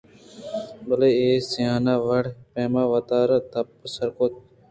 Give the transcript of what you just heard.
بلئے اے سہیناں وڑءُ پیمے وتارا تیابءَسر کُت